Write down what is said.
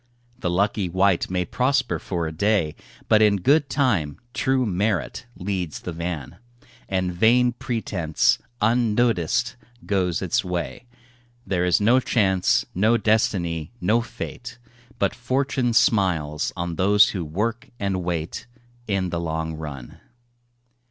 The lucky wight may prosper for a day, But in good time true merit leads the van And vain pretence, unnoticed, goes its way. There is no Chance, no Destiny, no Fate, But Fortune smiles on those who work and wait, In the long run.